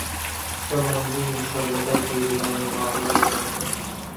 چۆمان دوێنێ شەو لەگەڵ بێریڤان لە ماڵەوە بوو.